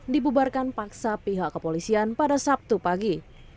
dibubarkan paksa pihak kepolisian pada sabtu pagi